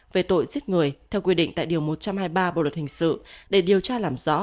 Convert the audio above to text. về tội giết người theo quy định tại điều một trăm hai mươi ba bộ luật hình sự để điều tra làm rõ